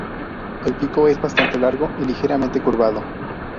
El pico es bastante largo y ligeramente curvado.